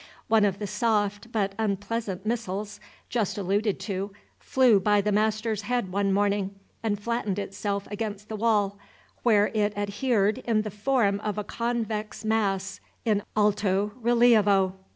One of the soft, but unpleasant missiles just alluded to flew by the master's head one morning, and flattened itself against the wall, where it adhered in the form of a convex mass in alto rilievo.